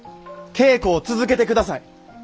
稽古を続けてください。